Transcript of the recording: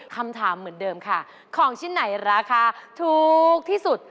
คำถามเหมือนเดิมค่ะของชิ้นไหนราคาถูกที่สุด